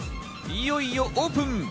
いよいよオープン。